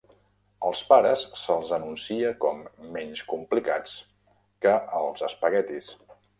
Als pares se'ls anuncia com "menys complicats" que els espaguetis.